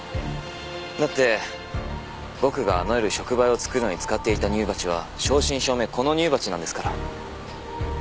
だって僕があの夜触媒を作るのに使っていた乳鉢は正真正銘この乳鉢なんですから。